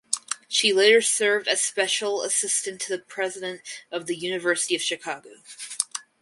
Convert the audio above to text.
She later served as special assistant to the president of the University of Chicago.